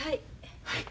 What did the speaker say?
はい。